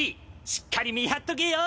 しっかり見張っとけよ。